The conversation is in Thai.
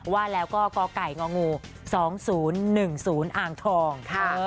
ว่าแล้วก็กไก่ง๒๐๑๐อ่างทอง